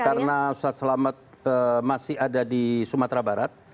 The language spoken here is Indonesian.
karena ustaz selamat masih ada di sumatera barat